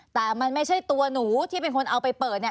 แต่มันไม่ใช่ตัวหนูที่เป็นคนเอาไปเปิดเนี่ย